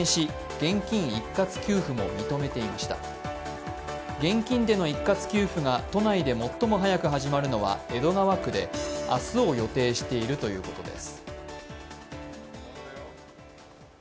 現金での一括給付が都内で最も早く始まるのは江戸川区で明日を予定しているということです。